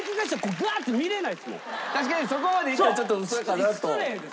確かにそこまで行ったらちょっと嘘かなと。